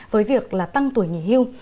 với việc là tăng tuổi nghỉ hưu